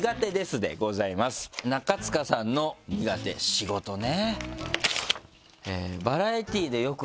中務さんの苦手仕事ね。